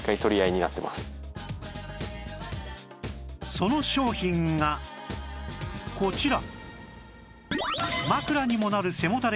その商品がこちら